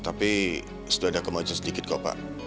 tapi sudah ada kemajuan sedikit kok pak